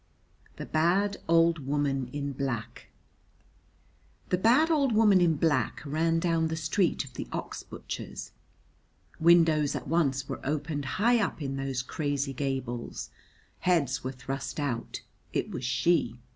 The Bad Old Woman in Black The bad old woman in black ran down the street of the ox butchers. Windows at once were opened high up in those crazy gables; heads were thrust out: it was she.